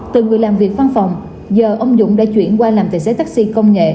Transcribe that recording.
từ người làm việc văn phòng giờ ông dũng đã chuyển qua làm tài xế taxi công nghệ